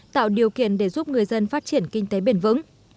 tạo điều kiện để giúp người dân phát triển kinh tế bền vững